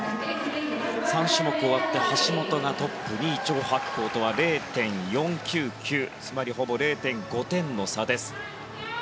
３種目終わって橋本がトップ２位チョウ・ハクコウとは０．４９９つまり、ほぼ０．５点の差です。